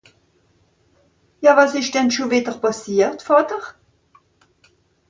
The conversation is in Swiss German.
Ja, wàs ìsch denn schùn wìdder pàssiert, Vàter ?